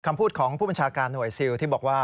คำพูดของผู้บัญชาการหน่วยซิลที่บอกว่า